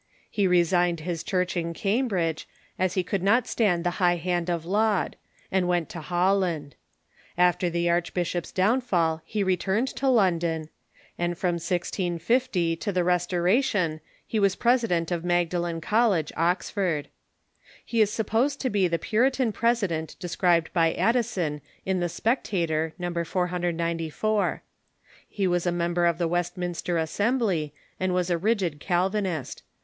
He resigned liis church in Cambridge, as he could not stand the high hand of Laud, and went to Holland. After the archbishop's downfall he re turned to London, and from 1G50 to the Restora Thomas Goodwin .,• i ,^ nr t i ^ i, ^^ tion he was president ot JMagdalen College, Ox ford, lie is suj)posed to be the Puritan president described by Addison in the /Spectator, No. 494. He was a member of the AVestminster Assembly, and was a rigid Calvinist.